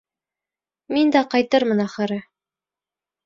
Мин дә ҡайтырмын ахыры.